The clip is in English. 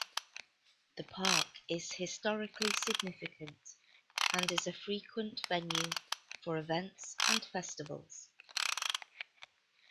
The park is historically significant and is a frequent venue for events and festivals.